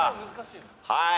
はい。